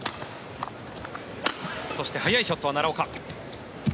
そして速いショットは奈良岡。